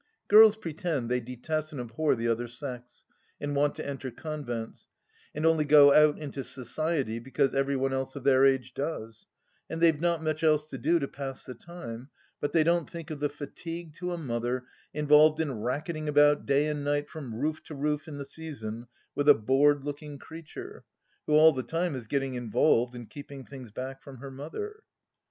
Girls pretend they detest and abhor the other sex and want to enter convents, and only go out into Society because every one else of their age does, and they've not much else to do to pass the time, but they don't think of the fatigue to a mother involved in racketing about day and night from roof to roof in the season with a bored looking creature, who all the time is getting involved and keeping things back from her mother.